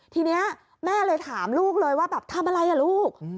ทีนี้แม่เลยถามลูกเลยว่าแบบทำอะไรอ่ะลูก